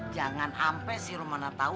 jangan sampai si romana tahu